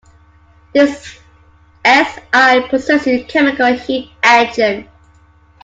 This S-I process is a chemical heat engine.